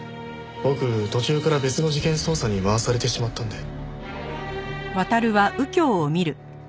僕途中から別の事件捜査に回されてしまったんで。